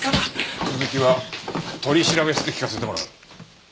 続きは取調室で聞かせてもらう。